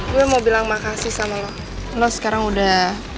gue mau bilang makasih sama lo lo sekarang udah